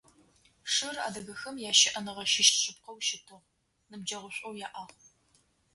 Шыр адыгэхэм ящыӏэныгъэ щыщ шъыпкъэу щытыгъ, ныбджэгъушӏоу яӏагъ.